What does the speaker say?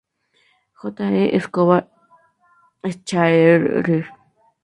J. E. Escobar Schaerer.